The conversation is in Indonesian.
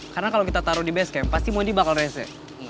karena kalo kita taro di basecamp pasti mondi bakal rese